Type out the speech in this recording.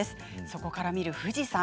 そこから見える富士山